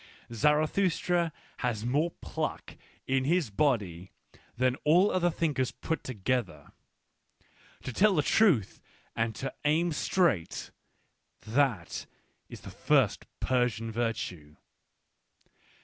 Zarathustra has more pluck in his body than all other thinkers put together. To tell the truth and to aim straight : that is the first Persian virtue.